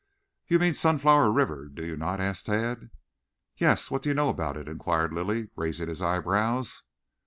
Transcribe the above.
"You mean Sunflower River, do you not?" asked Tad. "Yes. What do you know about it?" inquired Lilly, raising his eyebrows.